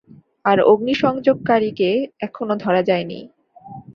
আর অগ্নিসংযোগকারীকে এখনো ধরা যায়নি।